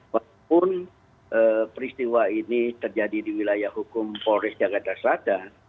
walaupun peristiwa ini terjadi di wilayah hukum polres jakarta selatan